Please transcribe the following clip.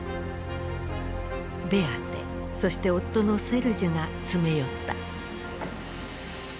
ベアテそして夫のセルジュが詰め寄った。